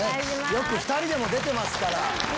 よく２人でも出てますから。